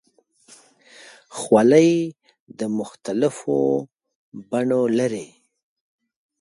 خولۍ د مختلفو بڼو لري.